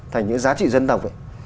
thành những giá trị dân tộc ấy